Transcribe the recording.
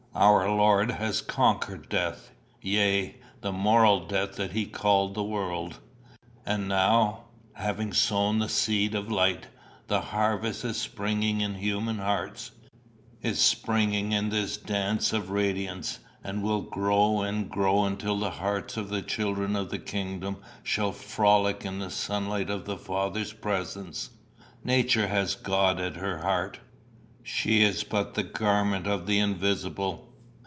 Our Lord has conquered death yea, the moral death that he called the world; and now, having sown the seed of light, the harvest is springing in human hearts, is springing in this dance of radiance, and will grow and grow until the hearts of the children of the kingdom shall frolic in the sunlight of the Father's presence. Nature has God at her heart; she is but the garment of the Invisible.